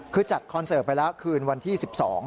คือจัดคอนเสิร์ตไปแล้วคืนวันที่๑๒